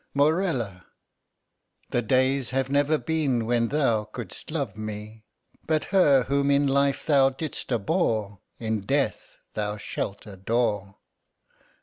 "Morella!" "The days have never been when thou couldst love me—but her whom in life thou didst abhor, in death thou shalt adore."